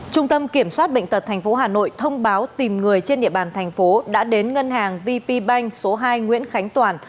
trung tâm kiểm soát bệnh tật tp hà nội thông báo tìm người trên địa bàn thành phố đã đến ngân hàng vp bank số hai nguyễn khánh toàn